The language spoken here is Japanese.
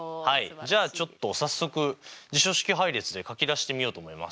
じゃあちょっと早速辞書式配列で書き出してみようと思います。